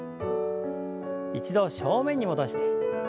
一度正面に戻して。